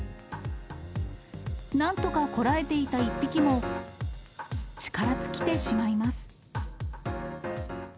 なんとかこらえていた１匹も力尽きてしまいます。